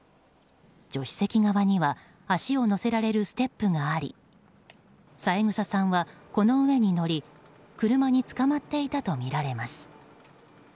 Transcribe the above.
助手席側には足を乗せられるステップがあり三枝さんは、この上に乗り車につかまっていたとみられます。